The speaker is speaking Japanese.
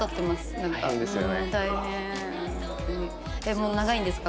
もう長いんですか？